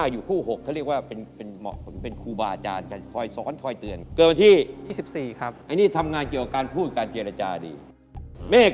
ดูแลแทคแคและดีมาก